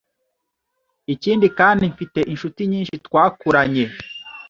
Ikindi kandi mfite inshuti nyinshi twakuranye